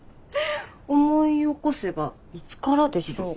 「思い起こせばいつからでしょうか」。